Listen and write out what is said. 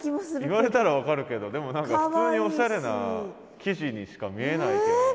言われたら分かるけどでも何か普通におしゃれな生地にしか見えないけど。